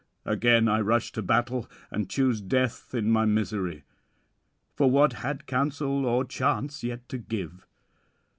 Again I rush to battle, and choose death in my misery. For what had counsel or chance yet to give?